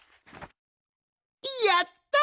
やった！